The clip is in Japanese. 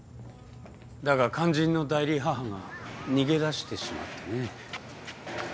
だが肝心の代理母が逃げ出してしまってね。